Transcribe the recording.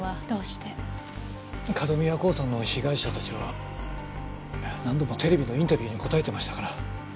角宮興産の被害者たちは何度もテレビのインタビューに答えてましたから。